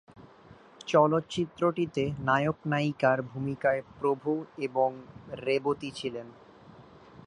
চলচ্চিত্রটিতে নায়ক-নায়িকার ভূমিকায় প্রভু এবং রেবতী ছিলেন।